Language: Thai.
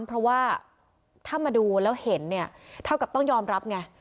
เพราะว่าถ้ามาดูแล้วเห็นเนี่ยเท่ากับต้องยอมรับไง